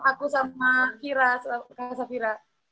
aku sama kira kak safira